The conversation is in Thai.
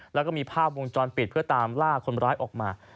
แล้วก็มีภาพวงจรปิดเพื่อตามล่าคนร้ายออกมา